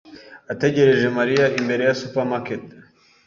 ategereje Mariya imbere ya supermarket.